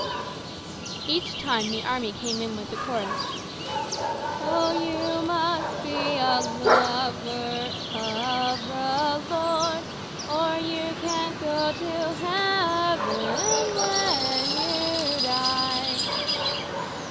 Each time the army came in with the chorus :" Oh, you must be a lover of the Lord, Or you can't go to heaven when you die."